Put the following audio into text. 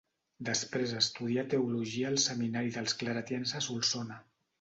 Després estudià teologia al Seminari dels Claretians a Solsona.